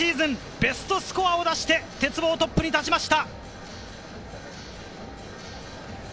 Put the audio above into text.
ベストスコアを出して鉄棒、トップに立ちました。